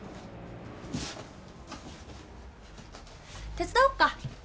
手伝おうか。